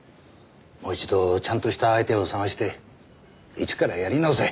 もう一度ちゃんとした相手を探して一からやり直せ。